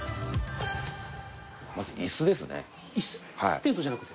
テントじゃなくて？